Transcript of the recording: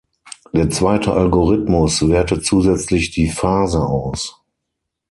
Der zweite Algorithmus wertet zusätzlich die Phase aus.